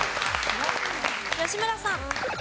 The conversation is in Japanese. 吉村さん。